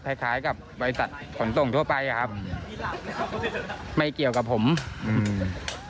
คล้ายคล้ายกับบริษัทขนส่งทั่วไปอ่ะครับไม่เกี่ยวกับผมอืม